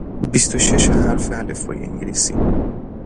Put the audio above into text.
بیست و شش حرف الفبای انگلیسی